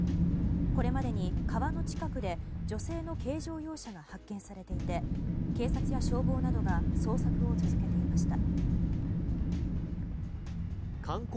これまでに川の近くで女性の軽乗用車が発見されていて警察や消防などが捜索を続けていました。